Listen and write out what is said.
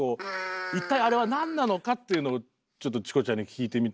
一体あれはなんなのか？っていうのをちょっとチコちゃんに聞いてみたいなと。